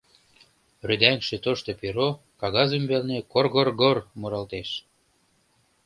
Рӱдаҥше тошто перо кагаз ӱмбалне кор-гор-гор муралтеш.